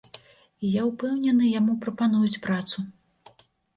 І я ўпэўнены, яму прапануюць працу.